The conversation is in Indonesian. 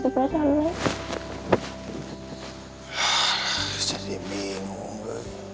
lalu jadi bingung